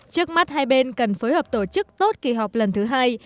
trước mắt hai bên cần phối hợp tổ chức tốt kỳ họp lần thứ hai